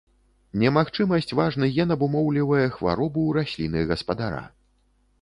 Немагчымасць важны ген абумоўлівае хваробу ў расліны-гаспадара.